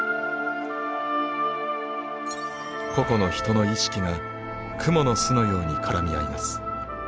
個々の人の意識がくもの巣のように絡み合います。